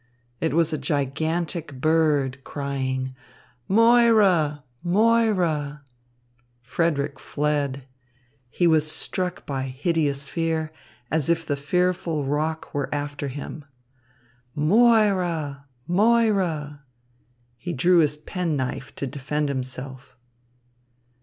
It was a gigantic bird, crying, "Moira, Moira!" Frederick fled. He was struck by hideous fear, as if the fearful roc were after him. "Moira, Moira!" He drew his penknife to defend himself.